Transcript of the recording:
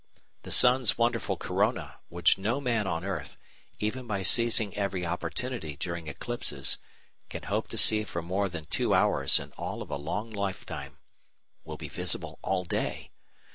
The sun's wonderful corona, which no man on earth, even by seizing every opportunity during eclipses, can hope to see for more than two hours in all in a long lifetime, will be visible all day.